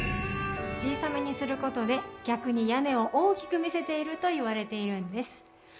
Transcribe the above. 小さめにすることで逆に屋根を大きく見せていると言われているんです。